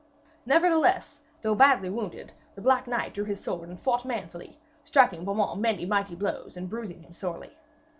Nevertheless, though badly wounded, the black knight drew his sword and fought manfully, striking Beaumains many mighty blows and bruising him sorely.